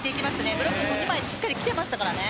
ブロックも２枚しっかりきていましたからね。